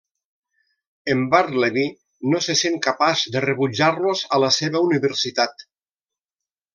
En Bartleby no se sent capaç de rebutjar-los a la seva universitat.